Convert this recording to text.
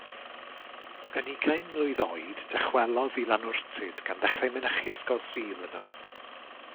Yn ugain mlwydd oed dychwelodd i Lanwrtyd gan ddechrau mynychu Ysgol Sul yno.